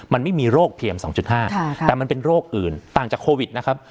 มันไม่มีโรคพีเอ็มสองจุดห้าค่ะแต่มันเป็นโรคอื่นต่างจากโควิดนะครับ